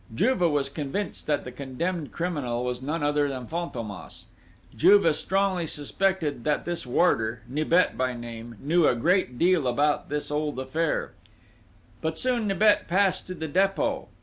Juve was convinced that the condemned criminal was none other than Fantômas. Juve strongly suspected that this warder, Nibet by name, knew a great deal about this old affair. But soon Nibet passed to the Dépôt.